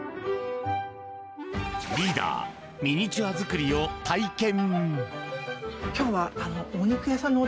リーダーミニチュア作りを体験。